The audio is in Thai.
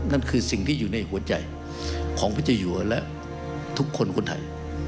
นั่นคือสิ่งที่อยู่ในหัวใจของพระเจ้าอยู่และทุกคนคนไทย